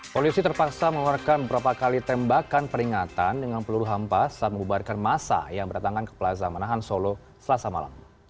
polisi terpaksa mengeluarkan beberapa kali tembakan peringatan dengan peluru hampa saat membubarkan masa yang berdatangan ke plaza manahan solo selasa malam